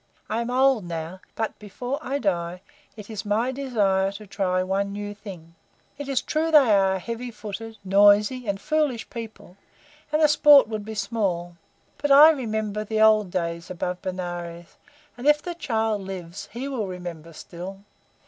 I am old now, but before I die it is my desire to try one new thing. It is true they are a heavy footed, noisy, and foolish people, and the sport would be small, but I remember the old days above Benares, and, if the child lives, he will remember still.